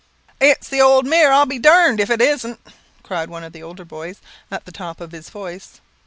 "It's the old mare! I'll be darned if it isn't!" cried one of the older boys, at the top of his voice.